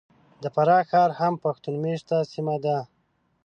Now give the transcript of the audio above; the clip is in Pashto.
د فراه ښار هم پښتون مېشته سیمه ده .